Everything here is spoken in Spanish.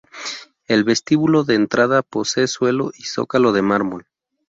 El vestíbulo de entrada posee suelo y zócalo de mármol.